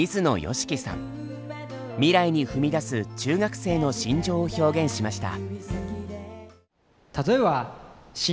未来に踏み出す中学生の心情を表現しました。